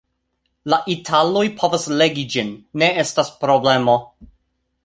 La italoj povas legi ĝin; ne estas problemo.